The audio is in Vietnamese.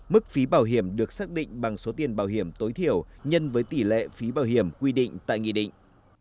mức phí bảo hiểm được xác định bằng số tiền bảo hiểm tối thiểu nhân với tỷ lệ phí bảo hiểm quy định tại nghị định